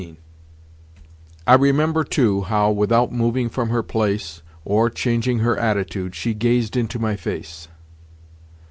XV I remember, too, how, without moving from her place, or changing her attitude, she gazed into my face.